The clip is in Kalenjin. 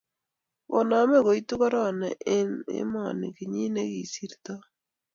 Koname koitu Corona eng emoni kenyii ne kosirtoo.